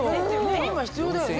２枚必要だよね。